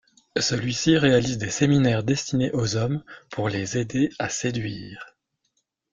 Celui-ci réalise des séminaires destinés aux hommes, pour les aider à séduire.